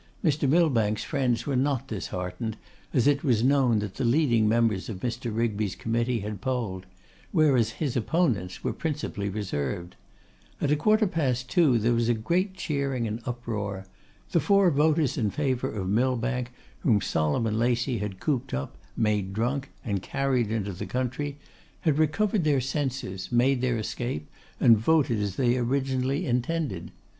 Mr. Millbank's friends were not disheartened, as it was known that the leading members of Mr. Rigby's committee had polled; whereas his opponent's were principally reserved. At a quarter past two there was great cheering and uproar. The four voters in favour of Millbank, whom Solomon Lacey had cooped up, made drunk, and carried into the country, had recovered iheir senses, made their escape, and voted as they originally intended.